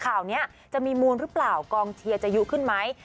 ข่าวนี้จะมีมูลหรือเปล่ากองเชียร์จะยุขึ้นไหม